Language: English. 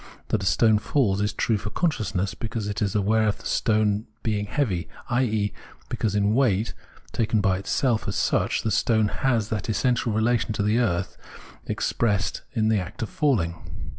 That a stone falls is true for con sciousness, because it is aware of the stone being heavy, i.e. because in weight, taken by itself as such, the stone has that essential relation to the earth expressed in the 244 Phenomenology of Mind fact of falling.